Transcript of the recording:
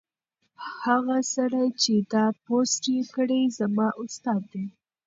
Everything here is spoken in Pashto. هغه سړی چې دا پوسټ یې کړی زما استاد دی.